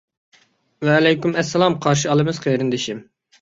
ۋەئەلەيكۇم ئەسسالام قارشى ئالىمىز قېرىندىشىم.